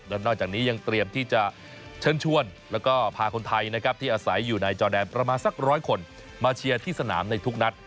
แล้วนอกจากนี้ยังเตรียมที่จะเชิญชวนแล้วก็พาคนไทยนะครับที่อาศัยอยู่ในจอแดนประมาณสักร้อยคนมาเชียร์ที่สนามในทุกนัด